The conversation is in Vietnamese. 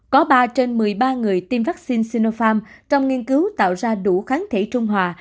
có ba trên một mươi ba người tiêm vaccine sinofarm trong nghiên cứu tạo ra đủ kháng thể trung hòa